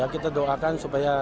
kita doakan supaya ketemu